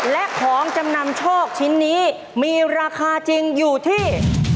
และของจำนำโชคชิ้นนี้มีราคาจริงอยู่ที่